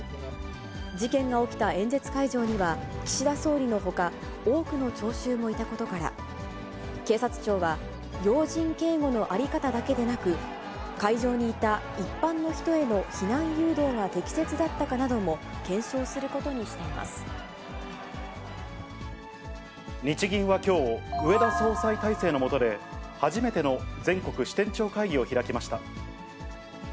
事件が起きた演説会場には、岸田総理のほか、多くの聴衆もいたことから、警察庁は要人警護の在り方だけでなく、会場にいた一般の人への避難誘導が適切だったかなども検証するこ日銀はきょう、植田総裁体制の下で、初めての全国支店長会議を開きました。